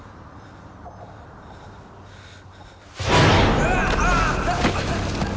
うわっ！